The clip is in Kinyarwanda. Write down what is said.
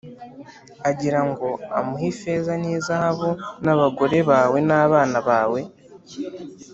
agira ngo umuhe ifeza n’izahabu n’abagore bawe n’abana bawe,